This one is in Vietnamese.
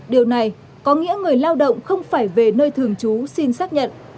điều này có nghĩa người lao động không phải về nơi thường trú xin xác nhận